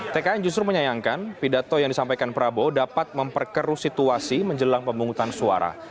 tkn justru menyayangkan pidato yang disampaikan prabowo dapat memperkeruh situasi menjelang pemungutan suara